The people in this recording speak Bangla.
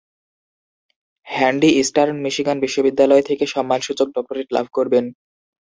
হ্যান্ডি ইস্টার্ন মিশিগান বিশ্ববিদ্যালয় থেকে সম্মানসূচক ডক্টরেট লাভ করবেন।